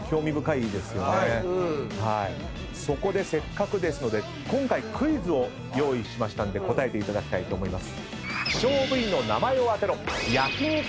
そこでせっかくですので今回クイズを用意しましたんで答えていただきたいと思います。